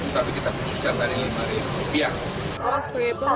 tapi kita berkutuk rp lima puluh